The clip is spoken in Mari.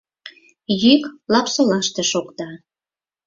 Йӱк Лапсолаште шокта.